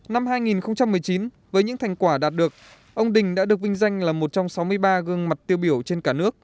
năm hai nghìn một mươi chín với những thành quả đạt được ông đình đã được vinh danh là một trong sáu mươi ba gương mặt tiêu biểu trên cả nước